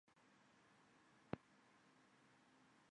它们与曼谷地铁的是隆车站均是徙步可至。